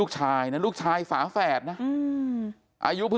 สามีก็ถูกจับดำเนินคดี